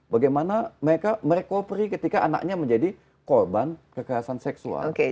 bagaimana mereka merekopri ketika anaknya menjadi korban kekerasan seksual